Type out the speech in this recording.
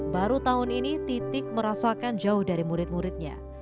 baru tahun ini titik merasakan jauh dari murid muridnya